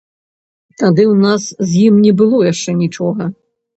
Тады ў нас з ім не было яшчэ нічога.